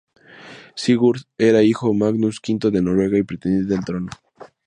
Sigurd era hijo Magnus V de Noruega y pretendiente al trono.